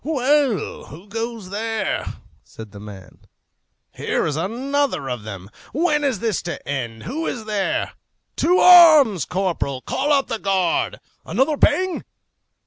"Well, who goes there?" said the man. "Here is another of them. When is this to end? Who is there? To arms! Corporal, call out the guard! Another bang!